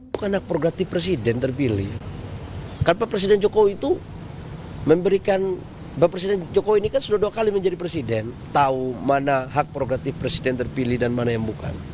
bahlil yang menurut bahlil tidak menutup kemungkinan jokowi menjadi presiden terpilih